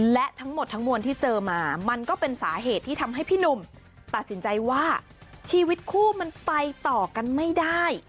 และทั้งหมดทั้งมวลที่เจอมามันก็เป็นสาเหตุที่ทำให้พี่หนุ่มตัดสินใจว่าชีวิตคู่มันไปต่อกันไม่ได้